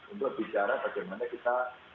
untuk bicara bagaimana kita menjaga bersama sama